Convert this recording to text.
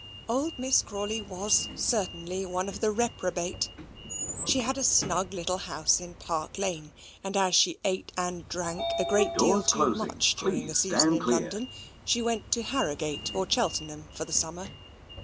Old Miss Crawley was certainly one of the reprobate. She had a snug little house in Park Lane, and, as she ate and drank a great deal too much during the season in London, she went to Harrowgate or Cheltenham for the summer.